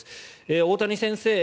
大谷先生